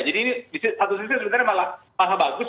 jadi ini di satu sisi sebenarnya malah bagus